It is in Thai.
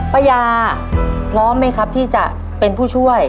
ป้ายาพร้อมไหมครับที่จะเป็นผู้ช่วย